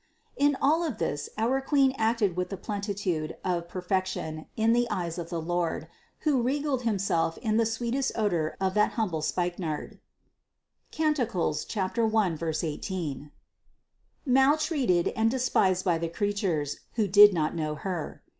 707. In all this our Queen acted with the plenitude of perfection in the eyes of the Lord, who regaled Himself with the sweetest odor of that humble spikenard (Cant. 1, 18), maltreated and despised by the creatures, who did not know Her.